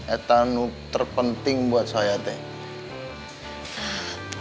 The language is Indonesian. eta nu terpenting buat saya teng